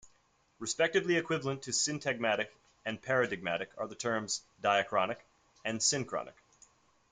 Respectively equivalent to syntagmatic and paradigmatic are the terms "diachronic" and "synchronic".